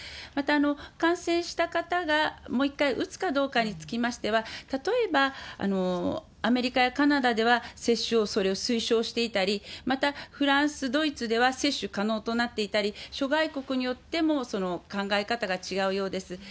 また、感染した方がもう一回打つかどうかにつきましては、例えばアメリカやカナダでは接種を、それを推奨していたり、またフランス、ドイツでは接種可能となっていたり、諸外国によっても、その考え方が違うようです。